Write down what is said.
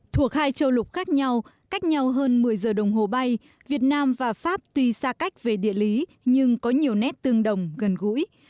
thuộc hai châu lục khác nhau cách nhau hơn một mươi giờ đồng hồ bay việt nam và pháp tuy xa cách về địa lý nhưng có nhiều nét tương đồng gần gũi